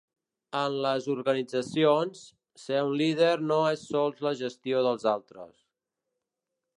En les organitzacions, ser un líder no es sols la gestió dels altres.